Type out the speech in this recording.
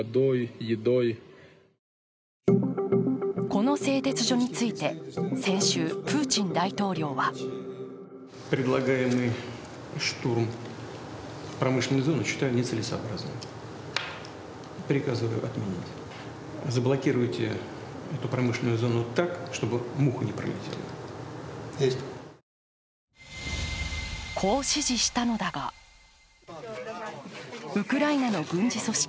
この製鉄所について、先週プーチン大統領はこう指示したのだが、ウクライナの軍事組織